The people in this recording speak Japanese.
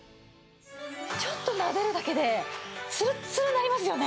ちょっとなでるだけでつるっつるになりますよね。